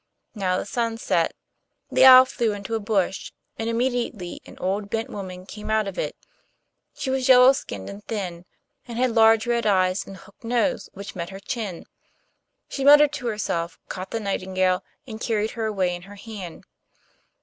Now the sun set; the owl flew into a bush, and immediately an old, bent woman came out of it; she was yellow skinned and thin, and had large red eyes and a hooked nose, which met her chin. She muttered to herself, caught the nightingale, and carried her away in her hand.